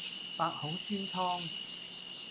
百孔千瘡